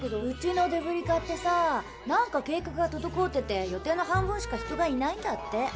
うちのデブリ課ってさ何か計画がとどこおってて予定の半分しか人がいないんだって。